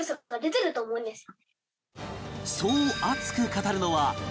そう熱く語るのは